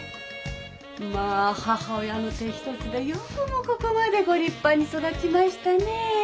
「まあ母親の手一つでよくもここまでご立派に育ちましたね。